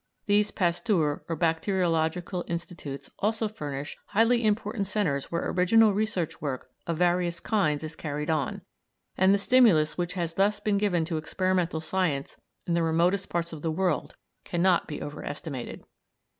These Pasteur or bacteriological institutes also furnish highly important centres where original research work of various kinds is carried on, and the stimulus which has thus been given to experimental science in the remotest parts of the world cannot be overestimated.